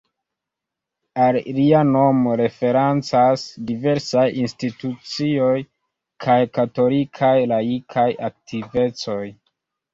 Al lia nomo referencas diversaj institucioj kaj katolikaj laikaj aktivecoj.